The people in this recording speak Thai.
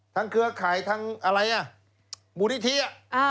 ทั้งเครือข่ายทั้งมูลนิเทีย